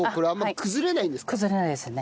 崩れないですね。